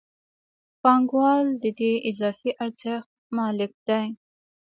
پانګوال د دې اضافي ارزښت مالک دی